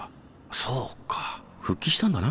そうか復帰したんだな。